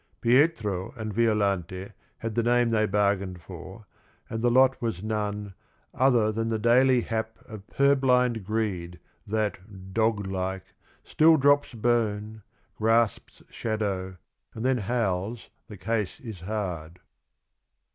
Pietro and Violante had the name they bargained for, and the lot was none "other than the daily hap Of purblind greed that dog like still drops bone, Grasps shadow, and then howls the case is hard."